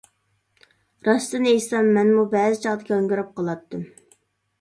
راستىنى ئېيتسام، مەنمۇ بەزى چاغدا گاڭگىراپ قالاتتىم.